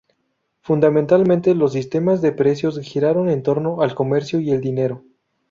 Fundamentalmente, los sistemas de precios giraron en torno al comercio y el dinero.